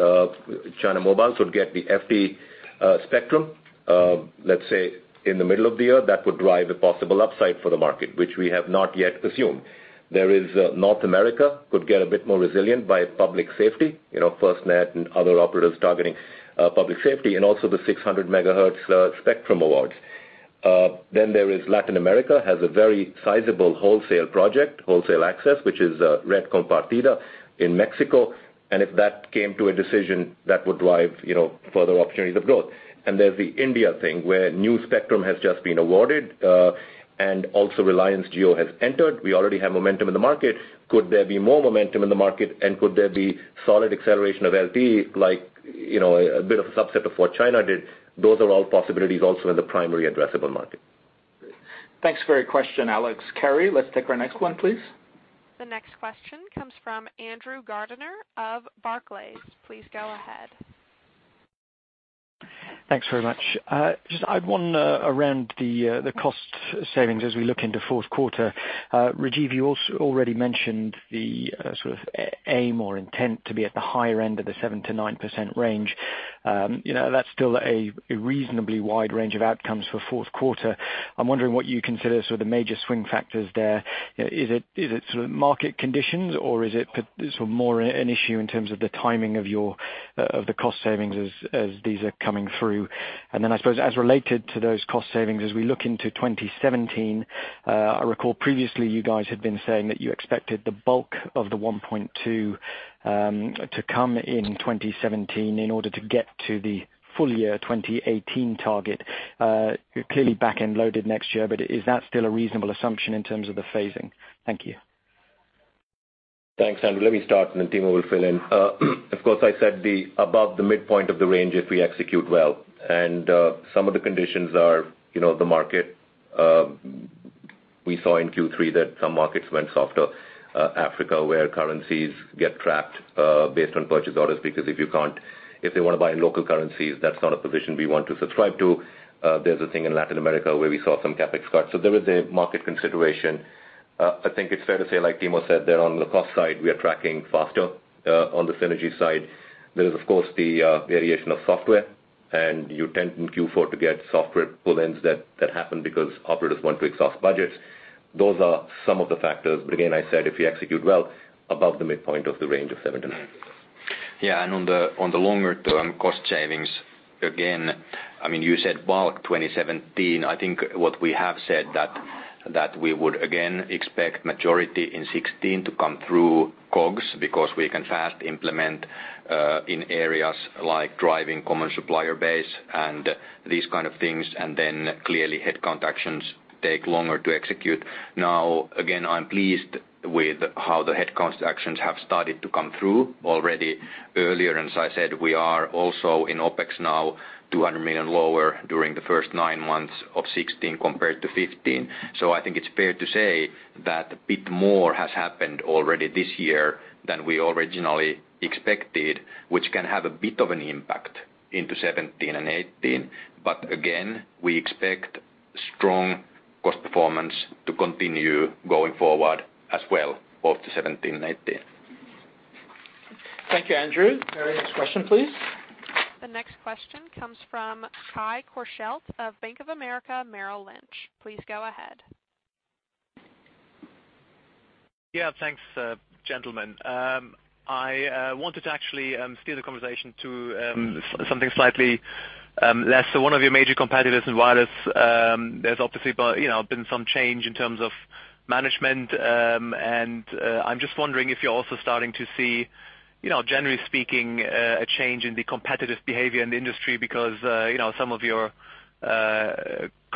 China Mobile would get the FD spectrum, let's say in the middle of the year. That would drive a possible upside for the market, which we have not yet assumed. There is North America, could get a bit more resilient by public safety, FirstNet and other operators targeting public safety, and also the 600 MHz spectrum awards. Latin America has a very sizable wholesale project, wholesale access, which is Red Compartida in Mexico, and if that came to a decision, that would drive further opportunities of growth. There's the India thing, where new spectrum has just been awarded, and also Reliance Jio has entered. We already have momentum in the market. Could there be more momentum in the market, and could there be solid acceleration of LTE, like a bit of a subset of what China did? Those are all possibilities also in the primary addressable market. Great. Thanks for your question, Alex. Carrie, let's take our next one, please. The next question comes from Andrew Gardiner of Barclays. Please go ahead. Thanks very much. I had one around the cost savings as we look into fourth quarter. Rajeev, you already mentioned the sort of aim or intent to be at the higher end of the 7%-9% range. That's still a reasonably wide range of outcomes for fourth quarter. I'm wondering what you consider sort of major swing factors there. Is it sort of market conditions, or is it sort of more an issue in terms of the timing of the cost savings as these are coming through? I suppose as related to those cost savings, as we look into 2017, I recall previously you guys had been saying that you expected the bulk of the $1.2 billion to come in 2017 in order to get to the full year 2018 target. Clearly back-end loaded next year, is that still a reasonable assumption in terms of the phasing? Thank you. Thanks, Andrew. Let me start, Timo will fill in. Of course, I said above the midpoint of the range if we execute well. Some of the conditions are the market. We saw in Q3 that some markets went softer. Africa, where currencies get trapped based on purchase orders, because if they want to buy in local currencies, that's not a position we want to subscribe to. There's a thing in Latin America where we saw some CapEx cuts. There is a market consideration. I think it's fair to say, like Timo said, that on the cost side, we are tracking faster on the synergy side. There is, of course, the variation of software, you tend in Q4 to get software pull-ins that happen because operators want to exhaust budgets. Those are some of the factors. Again, I said if we execute well above the midpoint of the range of 7% to 9%. Yeah, on the longer-term cost savings, again, you said bulk 2017. I think what we have said that we would again expect majority in 2016 to come through COGS because we can fast implement in areas like driving common supplier base and these kind of things, clearly headcount actions take longer to execute. Again, I'm pleased with how the headcount actions have started to come through already earlier. As I said, we are also in OPEX now 200 million lower during the first nine months of 2016 compared to 2015. I think it's fair to say that a bit more has happened already this year than we originally expected, which can have a bit of an impact into 2017 and 2018. Again, we expect strong cost performance to continue going forward as well, both to 2017 and 2018. Thank you, Andrew. Carrie, next question, please. The next question comes from Kai Korschelt of Bank of America Merrill Lynch. Please go ahead. Yeah. Thanks, gentlemen. I wanted to actually steer the conversation to something slightly less. One of your major competitors in wireless, there's obviously been some change in terms of management. I'm just wondering if you're also starting to see, generally speaking, a change in the competitive behavior in the industry because some of your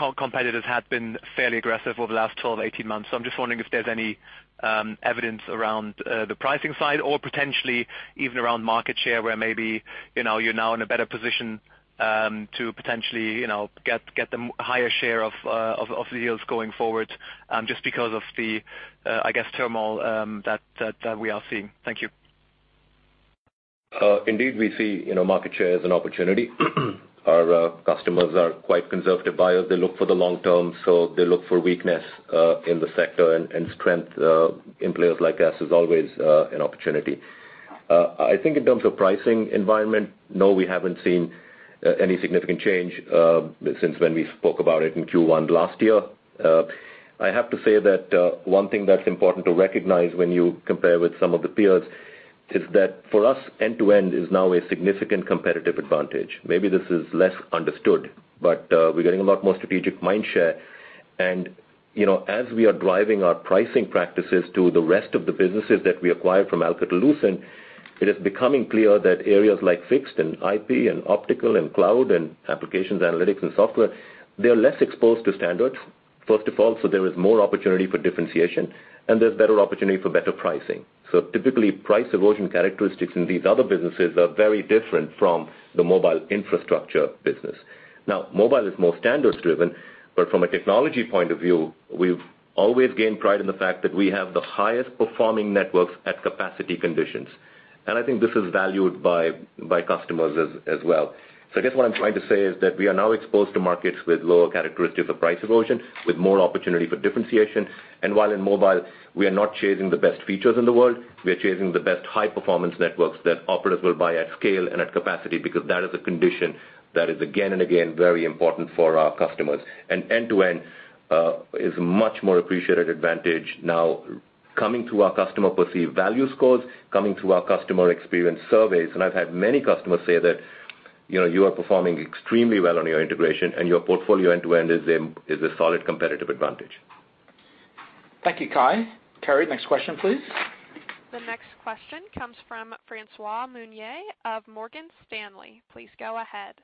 competitors have been fairly aggressive over the last 12, 18 months. I'm just wondering if there's any evidence around the pricing side or potentially even around market share, where maybe you're now in a better position to potentially get the higher share of the deals going forward, just because of the turmoil that we are seeing. Thank you. Indeed, we see market share as an opportunity. Our customers are quite conservative buyers. They look for the long term, so they look for weakness in the sector and strength in players like us is always an opportunity. I think in terms of pricing environment, no, we haven't seen any significant change since when we spoke about it in Q1 last year. I have to say that one thing that's important to recognize when you compare with some of the peers is that for us, end-to-end is now a significant competitive advantage. Maybe this is less understood, but we're getting a lot more strategic mind share. As we are driving our pricing practices to the rest of the businesses that we acquired from Alcatel-Lucent, it is becoming clear that areas like fixed and IP and optical and cloud and applications analytics and software, they're less exposed to standards, first of all, there is more opportunity for differentiation, and there's better opportunity for better pricing. Typically, price erosion characteristics in these other businesses are very different from the mobile infrastructure business. Mobile is more standards driven, but from a technology point of view, we've always gained pride in the fact that we have the highest performing networks at capacity conditions. I think this is valued by customers as well. I guess what I'm trying to say is that we are now exposed to markets with lower characteristics of price erosion, with more opportunity for differentiation. While in mobile, we are not chasing the best features in the world, we are chasing the best high performance networks that operators will buy at scale and at capacity, because that is a condition that is again and again very important for our customers. End-to-end is a much more appreciated advantage now coming through our customer perceived value scores, coming through our customer experience surveys, and I've had many customers say that, "You are performing extremely well on your integration, and your portfolio end-to-end is a solid competitive advantage. Thank you, Kai. Carrie, next question, please. The next question comes from Francois Meunier of Morgan Stanley. Please go ahead.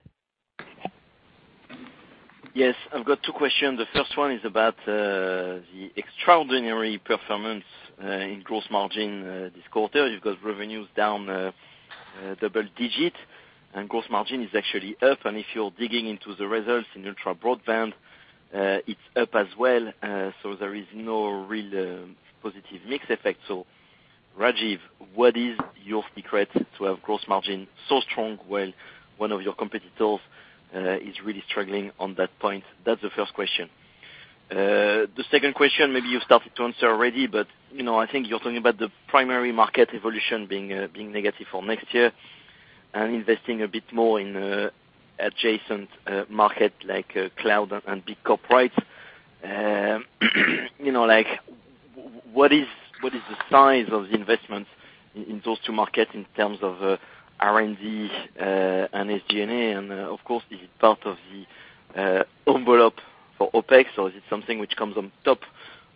Yes. I've got two questions. The first one is about the extraordinary performance in gross margin this quarter. You've got revenues down double digit and gross margin is actually up, and if you're digging into the results in Ultra Broadband Networks, it's up as well. There is no real positive mix effect. Rajeev, what is your secret to have gross margin so strong while one of your competitors is really struggling on that point? That's the first question. The second question, maybe you started to answer already, but I think you're talking about the primary market evolution being negative for next year and investing a bit more in adjacent market like cloud and big IPR. What is the size of the investments in those two markets in terms of R&D and SG&A? Of course, is it part of the envelope for OPEX, or is it something which comes on top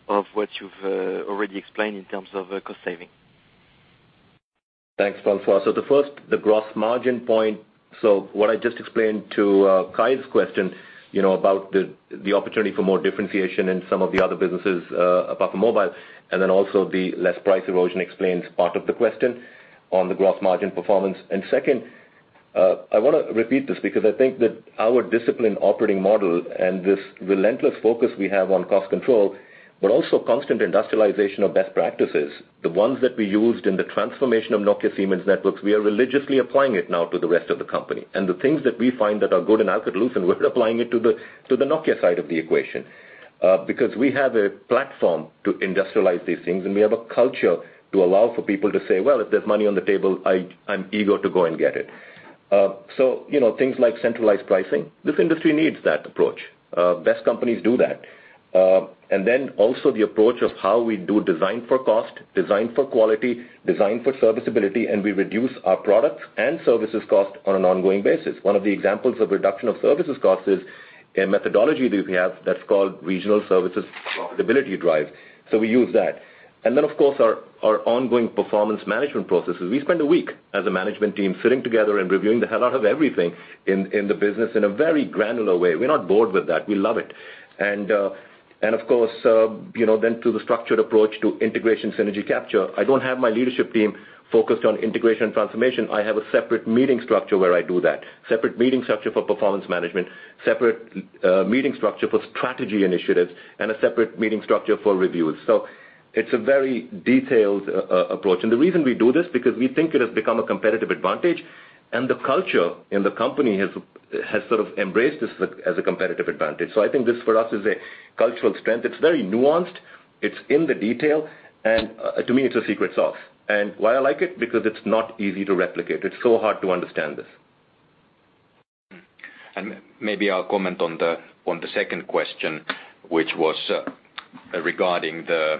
of what you've already explained in terms of cost saving? Thanks, Francois. The first, the gross margin point, what I just explained to Kai's question, about the opportunity for more differentiation in some of the other businesses apart from mobile, and then also the less price erosion explains part of the question on the gross margin performance. Second, I want to repeat this because I think that our discipline operating model and this relentless focus we have on cost control, but also constant industrialization of best practices, the ones that we used in the transformation of Nokia Siemens Networks, we are religiously applying it now to the rest of the company. The things that we find that are good in Alcatel-Lucent, we're applying it to the Nokia side of the equation, because we have a platform to industrialize these things, and we have a culture to allow for people to say, "Well, if there's money on the table, I'm eager to go and get it." Things like centralized pricing, this industry needs that approach. Best companies do that. Also the approach of how we do design for cost, design for quality, design for serviceability, and we reduce our products and services cost on an ongoing basis. One of the examples of reduction of services cost is a methodology that we have that's called regional services profitability drive. We use that. Of course, our ongoing performance management processes. We spend a week as a management team sitting together and reviewing the hell out of everything in the business in a very granular way. We're not bored with that. We love it. Through the structured approach to integration synergy capture, I don't have my leadership team focused on integration transformation. I have a separate meeting structure where I do that, separate meeting structure for performance management, separate meeting structure for strategy initiatives, and a separate meeting structure for reviews. It's a very detailed approach. The reason we do this, because we think it has become a competitive advantage, and the culture in the company has sort of embraced this as a competitive advantage. I think this, for us, is a cultural strength. It's very nuanced. It's in the detail, and to me, it's a secret sauce. Why I like it, because it's not easy to replicate. It's so hard to understand this. Maybe I'll comment on the second question, which was regarding the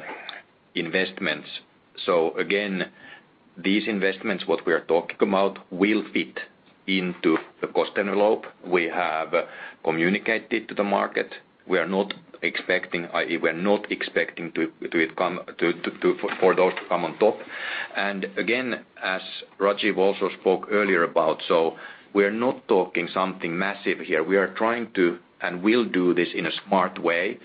investments. These investments, what we are talking about, will fit into the cost envelope we have communicated to the market. We are not expecting it to come, for those to come on top. As Rajeev also spoke earlier about, we're not talking something massive here. We will do this in a smart way.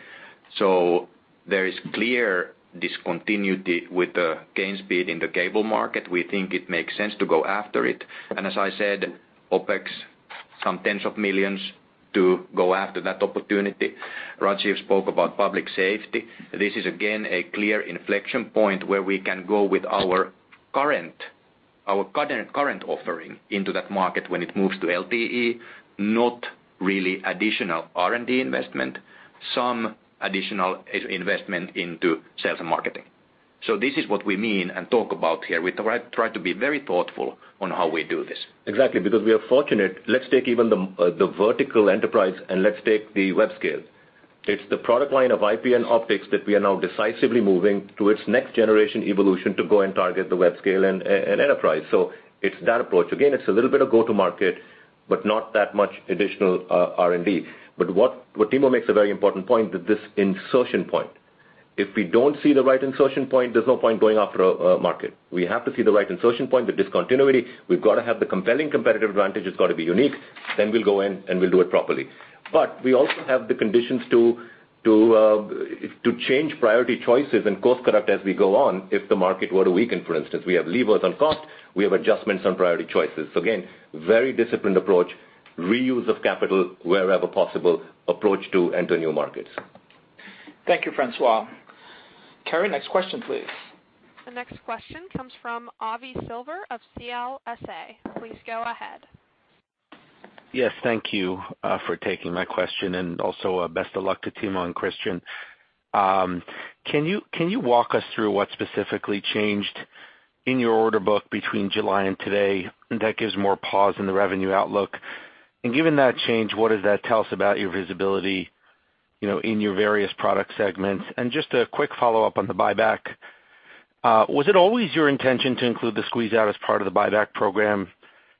There is clear discontinuity with the Gainspeed in the cable market. We think it makes sense to go after it. As I said, OPEX some tens of millions to go after that opportunity. Rajeev spoke about public safety. This is again, a clear inflection point where we can go with our current offering into that market when it moves to LTE, not really additional R&D investment, some additional investment into sales and marketing. This is what we mean and talk about here. We try to be very thoughtful on how we do this. Exactly. Because we are fortunate. Let's take even the vertical enterprise and let's take the Web Scale. It's the product line of IP and optics that we are now decisively moving to its next generation evolution to go and target the Web Scale and enterprise. It's that approach. Again, it's a little bit of go-to-market, but not that much additional R&D. What Timo makes a very important point that this insertion point. If we don't see the right insertion point, there's no point going after a market. We have to see the right insertion point, the discontinuity. We've got to have the compelling competitive advantage. It's got to be unique. We'll go in, and we'll do it properly. We also have the conditions to change priority choices and course-correct as we go on, if the market were to weaken, for instance. We have levers on cost. We have adjustments on priority choices. Again, very disciplined approach, reuse of capital wherever possible approach to enter new markets. Thank you, Francois. Carrie, next question, please. The next question comes from Avi Silver of CLSA. Please go ahead. Yes, thank you for taking my question and also, best of luck to Timo and Kristian. Can you walk us through what specifically changed in your order book between July and today that gives more pause in the revenue outlook? Given that change, what does that tell us about your visibility in your various product segments? Just a quick follow-up on the buyback. Was it always your intention to include the squeeze out as part of the buyback program?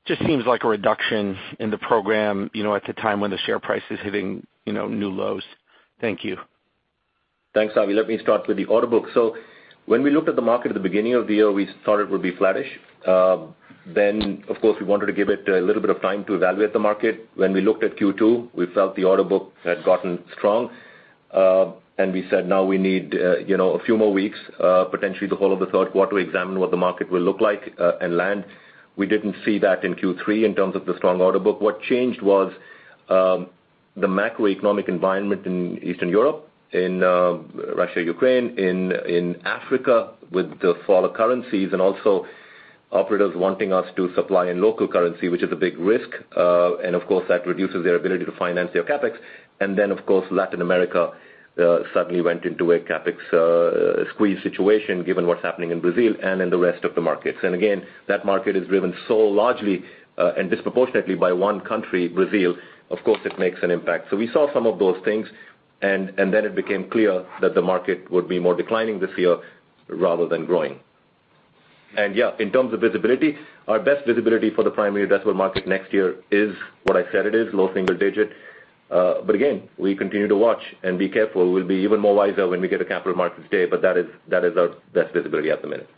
Just seems like a reduction in the program, at a time when the share price is hitting new lows. Thank you. Thanks, Avi. Let me start with the order book. When we looked at the market at the beginning of the year, we thought it would be flattish. Of course, we wanted to give it a little bit of time to evaluate the market. When we looked at Q2, we felt the order book had gotten strong. We said, now we need a few more weeks, potentially the whole of the third quarter, to examine what the market will look like and land. We didn't see that in Q3 in terms of the strong order book. What changed was, the macroeconomic environment in Eastern Europe, in Russia, Ukraine, in Africa with the fall of currencies, and also operators wanting us to supply in local currency, which is a big risk. Of course, that reduces their ability to finance their CapEx. Of course, Latin America suddenly went into a CapEx squeeze situation given what's happening in Brazil and in the rest of the markets. Again, that market is driven so largely, and disproportionately by one country, Brazil, of course, it makes an impact. We saw some of those things and then it became clear that the market would be more declining this year rather than growing. Yeah, in terms of visibility, our best visibility for the primary investment market next year is what I said it is, low single-digit. Again, we continue to watch and be careful. We'll be even more wiser when we get to Capital Markets Day, that is our best visibility at the minute.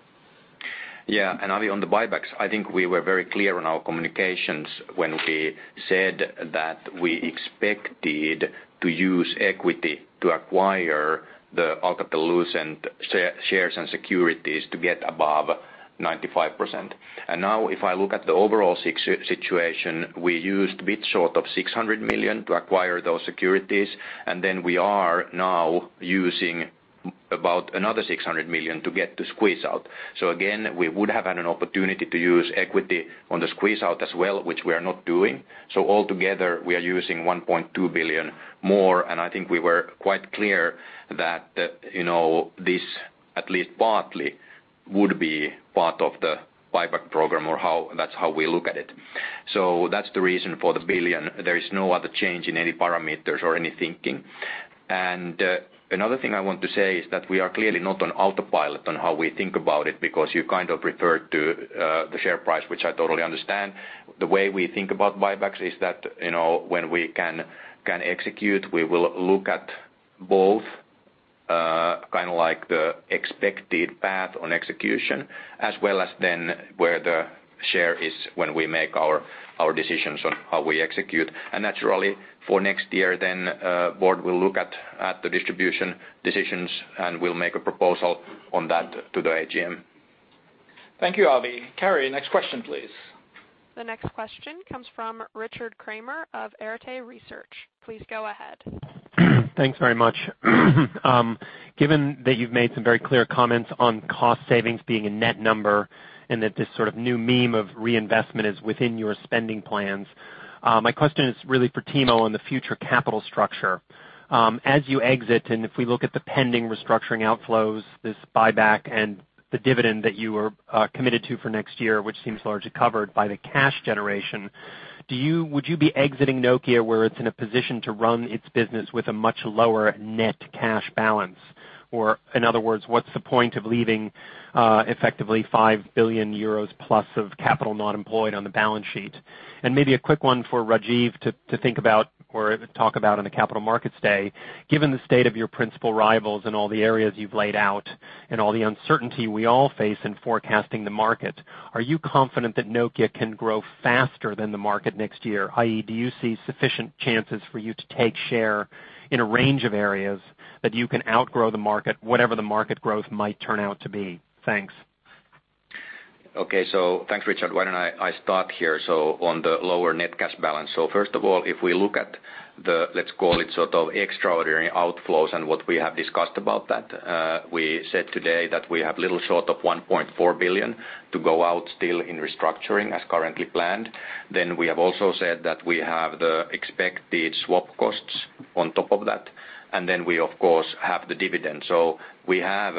Yeah. Avi, on the buybacks, I think we were very clear in our communications when we said that we expected to use equity to acquire the Alcatel-Lucent shares and securities to get above 95%. Now if I look at the overall situation, we used a bit short of 600 million to acquire those securities, and then we are now using about another 600 million to get the squeeze out. Again, we would have had an opportunity to use equity on the squeeze out as well, which we are not doing. Altogether, we are using 1.2 billion more, and I think we were quite clear that this at least partly would be part of the buyback program or that's how we look at it. That's the reason for the billion. There is no other change in any parameters or any thinking. Another thing I want to say is that we are clearly not on autopilot on how we think about it, because you kind of referred to the share price, which I totally understand. The way we think about buybacks is that when we can execute, we will look at both, kind of like the expected path on execution as well as where the share is when we make our decisions on how we execute. Naturally for next year, board will look at the distribution decisions, and we'll make a proposal on that to the AGM. Thank you, Avi. Carrie, next question, please. The next question comes from Richard Kramer of Arete Research. Please go ahead. Thanks very much. Given that you've made some very clear comments on cost savings being a net number and that this sort of new meme of reinvestment is within your spending plans, my question is really for Timo on the future capital structure. As you exit and if we look at the pending restructuring outflows, this buyback and the dividend that you are committed to for next year, which seems largely covered by the cash generation. Would you be exiting Nokia where it's in a position to run its business with a much lower net cash balance? Or in other words, what's the point of leaving effectively 5 billion euros plus of capital not employed on the balance sheet? Maybe a quick one for Rajeev to think about or talk about on the Capital Markets Day. Given the state of your principal rivals and all the areas you've laid out, all the uncertainty we all face in forecasting the market, are you confident that Nokia can grow faster than the market next year? I.e., do you see sufficient chances for you to take share in a range of areas that you can outgrow the market, whatever the market growth might turn out to be? Thanks. Okay. Thanks, Richard. Why don't I start here? On the lower net cash balance. First of all, if we look at the, let's call it sort of extraordinary outflows and what we have discussed about that, we said today that we have little short of 1.4 billion to go out still in restructuring as currently planned. We have also said that we have the expected swap costs on top of that, we, of course, have the dividend. We have,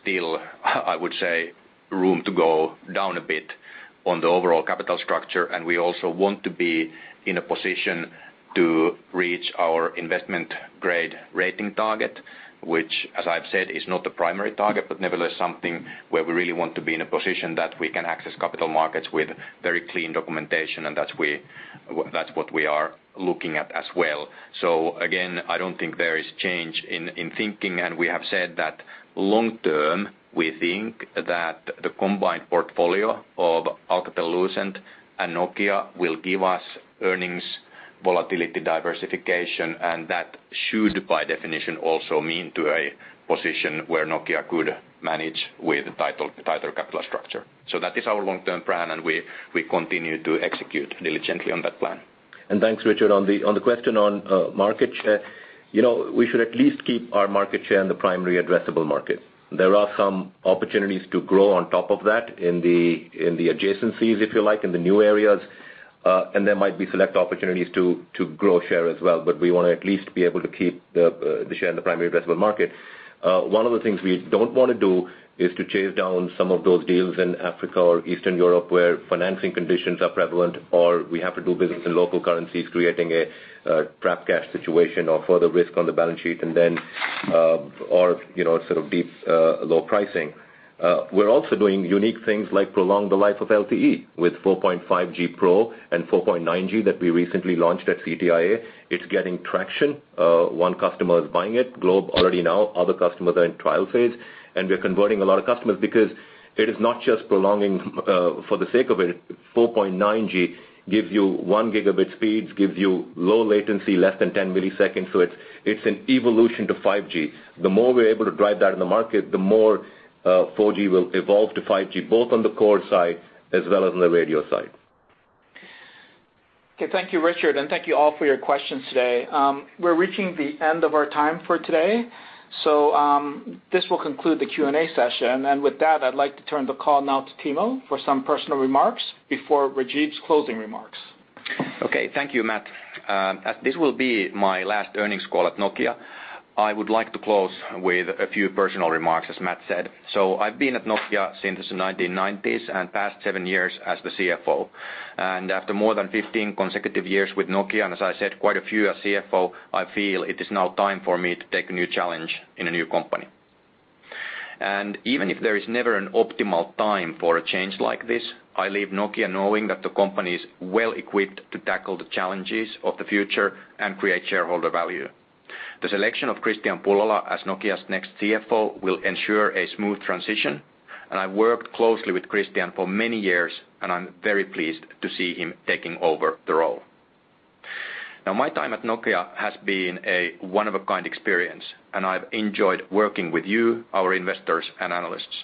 still, I would say, room to go down a bit on the overall capital structure, we also want to be in a position to reach our investment grade rating target, which, as I've said, is not the primary target, but nevertheless something where we really want to be in a position that we can access capital markets with very clean documentation, that's what we are looking at as well. Again, I don't think there is change in thinking, we have said that long term, we think that the combined portfolio of Alcatel-Lucent and Nokia will give us earnings volatility diversification, that should by definition also mean to a position where Nokia could manage with tighter capital structure. That is our long-term plan, we continue to execute diligently on that plan. Thanks, Richard. On the question on market share. We should at least keep our market share in the primary addressable market. There are some opportunities to grow on top of that in the adjacencies, if you like, in the new areas. There might be select opportunities to grow share as well, but we want to at least be able to keep the share in the primary addressable market. One of the things we don't want to do is to chase down some of those deals in Africa or Eastern Europe where financing conditions are prevalent, or we have to do business in local currencies, creating a trap cash situation or further risk on the balance sheet, or sort of deep, low pricing. We're also doing unique things like prolong the life of LTE with 4.5G Pro and 4.9G that we recently launched at CTIA. It's getting traction. One customer is buying it, Globe, already now. Other customers are in trial phase. We're converting a lot of customers because it is not just prolonging for the sake of it. 4.9G gives you 1 gigabit speeds, gives you low latency, less than 10 milliseconds. It's an evolution to 5G. The more we're able to drive that in the market, the more 4G will evolve to 5G, both on the core side as well as on the radio side. Okay. Thank you, Richard, and thank you all for your questions today. We're reaching the end of our time for today. This will conclude the Q&A session. With that, I'd like to turn the call now to Timo for some personal remarks before Rajeev's closing remarks. Okay. Thank you, Matt. As this will be my last earnings call at Nokia, I would like to close with a few personal remarks, as Matt said. I've been at Nokia since the 1990s, and past seven years as the CFO. After more than 15 consecutive years with Nokia, and as I said, quite a few as CFO, I feel it is now time for me to take a new challenge in a new company. Even if there is never an optimal time for a change like this, I leave Nokia knowing that the company is well equipped to tackle the challenges of the future and create shareholder value. The selection of Kristian Pullola as Nokia's next CFO will ensure a smooth transition, and I worked closely with Kristian for many years, and I'm very pleased to see him taking over the role. My time at Nokia has been a one of a kind experience, I've enjoyed working with you, our investors, and analysts.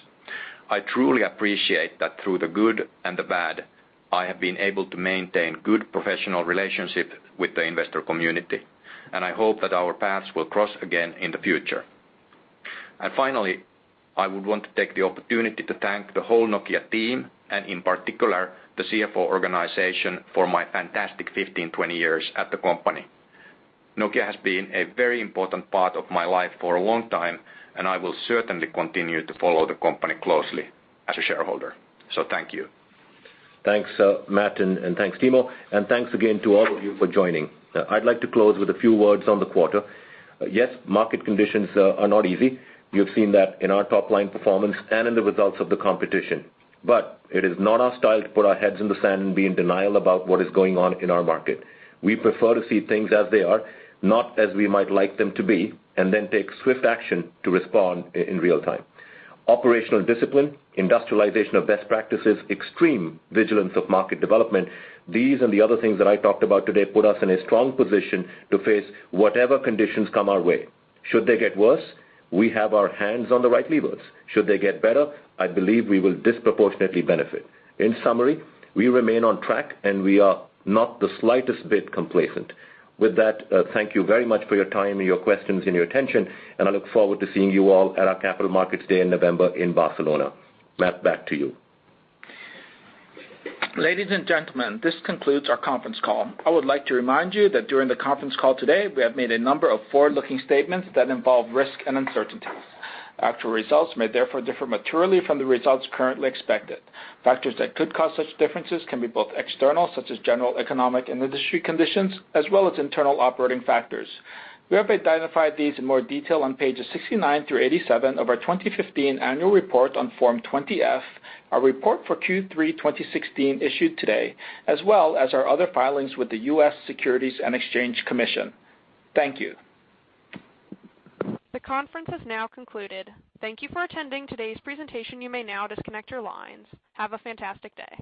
I truly appreciate that through the good and the bad, I have been able to maintain good professional relationship with the investor community, I hope that our paths will cross again in the future. Finally, I would want to take the opportunity to thank the whole Nokia team, and in particular, the CFO organization, for my fantastic 15, 20 years at the company. Nokia has been a very important part of my life for a long time, and I will certainly continue to follow the company closely as a shareholder. Thank you. Thanks, Matt, and thanks, Timo. Thanks again to all of you for joining. I'd like to close with a few words on the quarter. Yes, market conditions are not easy. You've seen that in our top-line performance and in the results of the competition. It is not our style to put our heads in the sand and be in denial about what is going on in our market. We prefer to see things as they are, not as we might like them to be, and then take swift action to respond in real time. Operational discipline, industrialization of best practices, extreme vigilance of market development. These and the other things that I talked about today put us in a strong position to face whatever conditions come our way. Should they get worse, we have our hands on the right levers. Should they get better, I believe we will disproportionately benefit. In summary, we remain on track, and we are not the slightest bit complacent. With that, thank you very much for your time and your questions and your attention, and I look forward to seeing you all at our Capital Markets Day in November in Barcelona. Matt, back to you. Ladies and gentlemen, this concludes our conference call. I would like to remind you that during the conference call today, we have made a number of forward-looking statements that involve risk and uncertainties. Actual results may therefore differ materially from the results currently expected. Factors that could cause such differences can be both external, such as general economic and industry conditions, as well as internal operating factors. We have identified these in more detail on pages 69 through 87 of our 2015 annual report on Form 20-F, our report for Q3 2016 issued today, as well as our other filings with the U.S. Securities and Exchange Commission. Thank you. The conference has now concluded. Thank you for attending today's presentation. You may now disconnect your lines. Have a fantastic day.